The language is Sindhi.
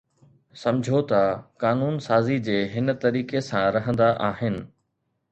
سمجھوتا قانون سازي جي ھن طريقي سان رھندا آھن